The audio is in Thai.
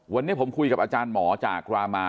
วันนี้ผมคุยกับอาจารย์หมอจากรามา